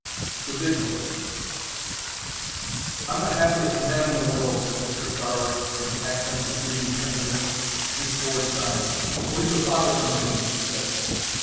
THE VIGIL I'm the happiest man in the world," said Mr. Farrer, in accents of dreamy tenderness. Miss Ward sighed. "Wait till father comes in," she said.